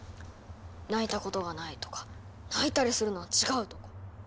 泣いたことがないとか泣いたりするのは違うとか。